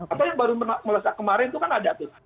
apa yang baru melesat kemarin itu kan ada tuh